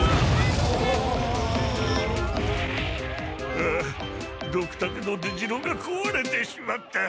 ああドクタケの出城がこわれてしまった！